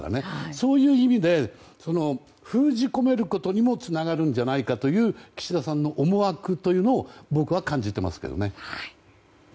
そういう意味で封じ込めることにもつながるんじゃないかという岸田さんの思惑というのを僕は感じています。